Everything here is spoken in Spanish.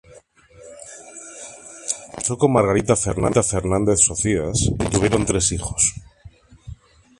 Se casó con Margarita Fernández Socías y tuvieron tres hijos.